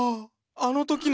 あの時の！